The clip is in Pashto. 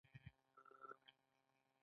د لیزر رڼا یو رنګه او متمرکزه وي.